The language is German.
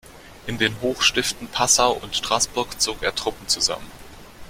In den Hochstiften Passau und Straßburg zog er Truppen zusammen.